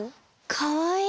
かわいい！